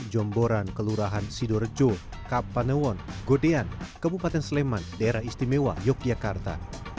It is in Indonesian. jomboran kelurahan sidorejo kapanewon godean kabupaten sleman daerah istimewa yogyakarta